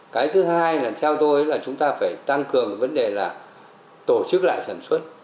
cái thứ hai là theo tôi là chúng ta phải tăng cường vấn đề là tổ chức lại sản xuất